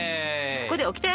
ここでオキテ。